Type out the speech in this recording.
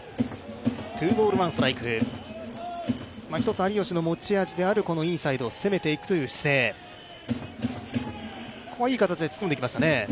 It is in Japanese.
１つ、有吉の持ち味であるインサイドを攻めていくという姿勢、ここはいい形で突っ込んできましたね。